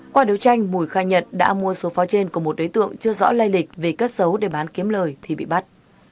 qua đấu tranh mùi khai nhận đã mua số pháo trên của một đối tượng chưa rõ lây lịch về cất xấu để bán kiếm lời thì bị bắt